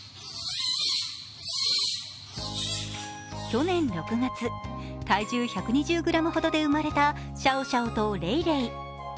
去年６月、体重１２０ｇほどで生まれたシャオシャオとレイレイ。